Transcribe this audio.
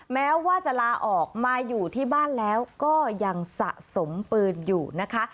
แม้ว่าจะลาออกมาอยู่ที่บ้านแล้วก็ยังสะสมปืนอยู่นะคะ